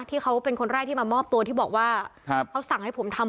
ที่เขาเป็นคนแรกที่มามอบตัวที่บอกว่าครับเขาสั่งให้ผมทำ